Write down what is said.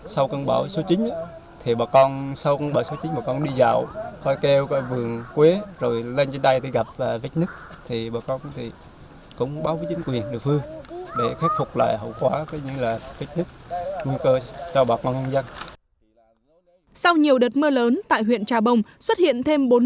sau nhiều đợt mưa lớn tại huyện trà bồng xuất hiện thêm bốn vết nứt